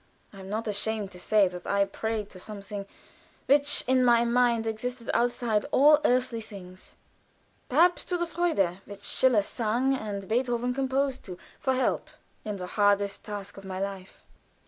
I am not ashamed to say that I prayed to something which in my mind existed outside all earthly things perhaps to the "Freude" which Schiller sung and Beethoven composed to for help in the hardest task of my life.